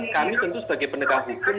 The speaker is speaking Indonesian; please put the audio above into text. kami tentu sebagai penegak hukum